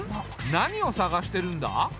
何を探してるんだ？